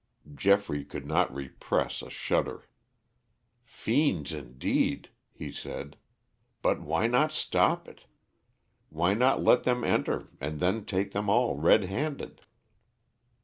Geoffrey could not repress a shudder. "Fiends, indeed!" he said. "But why not stop it? Why not let them enter and then take them all red handed?"